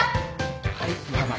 はい。